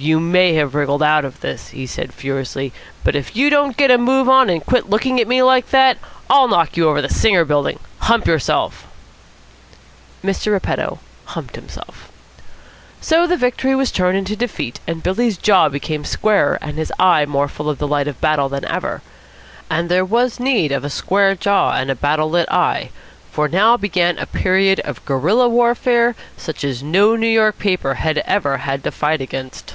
"You may have wriggled out of this," he said furiously, "but if you don't get a move on and quit looking at me like that, I'll knock you over the Singer Building. Hump yourself." Mr. Repetto humped himself. So was victory turned into defeat, and Billy's jaw became squarer and his eye more full of the light of battle than ever. And there was need of a square jaw and a battle lit eye, for now began a period of guerilla warfare such as no New York paper had ever had to fight against.